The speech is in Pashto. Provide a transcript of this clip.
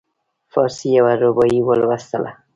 فارسي یوه رباعي ولوستله.